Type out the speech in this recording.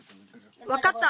わかった。